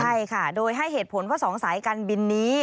ใช่ค่ะโดยให้เหตุผลว่า๒สายการบินนี้